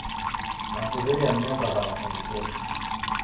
Nasuw'iria ninekwagha mafungu kesho.